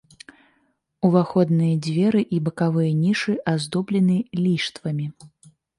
Уваходныя дзверы і бакавыя нішы аздоблены ліштвамі.